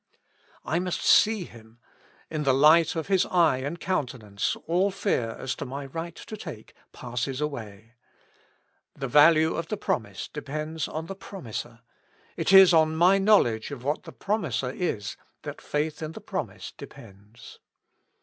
I must see him : in the light of his eye and countenance all fear as to my right to take passes away. The value of the promise depends on the promiser : it is on my knowledge of what the pro miser is that faith in the promise depends.